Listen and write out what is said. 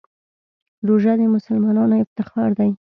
روژه د مسلمانانو افتخار دی.